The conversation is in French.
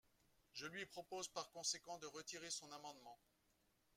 Je lui propose par conséquent de retirer son amendement.